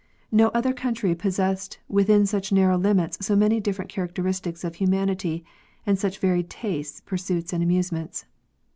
No other country possessed within such narrow limits so many different characteristics of humanity with such raried tastes, pursuits, and amusements.